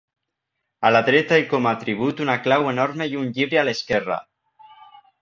A la dreta i com atribut una clau enorme i un llibre a l'esquerra.